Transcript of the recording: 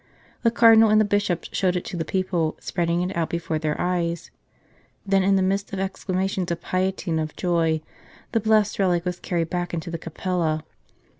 The Cardinal and the Bishops showed it to the people, spreading it out before their eyes ; then, in the midst of exclamations of piety and of joy, the blessed relic was carried back into the capella.